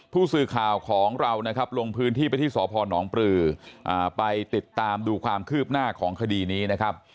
ผู้สื่อข่าวของเรานะครับลงพื้นที่ไปที่สพนปลือไปติดตามดูความคืบหน้าของคดีนี้นะครับ